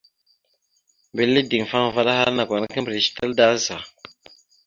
Mbile ideŋfaŋa vaɗ ahala: « Nakw ana kimbirec tal daa za? ».